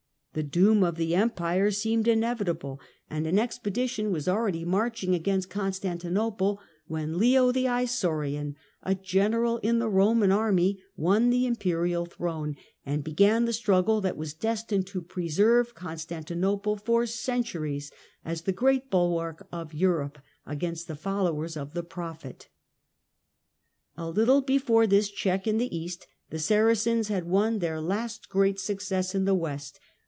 The doom of the Empire seemed inevitable, and an expedition was already marching against Constantinople when Leo the Isaurian, a general in the Roman army, won the Imperial throne, and began the struggle that was destined to preserve Con stantinople for centuries as the great bulwark of Europe against the followers of the prophet. A little before this check in the east the Saracens Spain, no had won their last great success in the west.